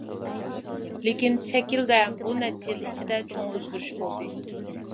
لېكىن شەكلىدە بۇ نەچچە يىل ئىچىدە چوڭ ئۆزگىرىش بولدى.